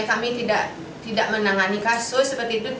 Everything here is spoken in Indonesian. kami tidak menangani kasus seperti itu